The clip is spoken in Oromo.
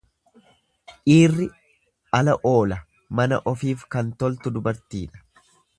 Dhiirri ala oola mana ofiif kan toltu dubartiidha.